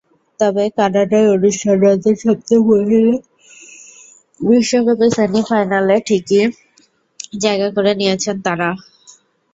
তবে কানাডায় অনুষ্ঠানরত সপ্তম মহিলা বিশ্বকাপের সেমিফাইনালে ঠিকই জায়গা করে নিয়েছে তারা।